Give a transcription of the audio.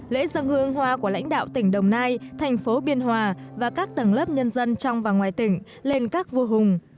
lễ dân hương hoa của lãnh đạo tỉnh đồng nai thành phố biên hòa và các tầng lớp nhân dân trong và ngoài tỉnh lên các vua hùng